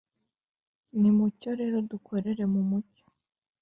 Nimucyo rero dukorere mu mucyo